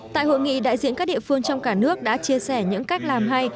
tại hội nghị đại diện các địa phương trong cả nước đã chia sẻ những cách làm hay